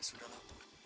ya sudah lah